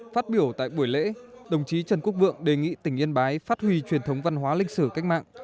phát biểu tại buổi lễ đồng chí trần quốc vượng đề nghị tỉnh yên bái phát huy truyền thống văn hóa lịch sử cách mạng